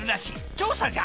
調査じゃ！